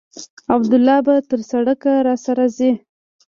عبدالله به تر سړکه راسره ځي.